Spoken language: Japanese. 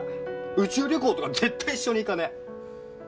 宇宙旅行とか絶対一緒に行かねえ！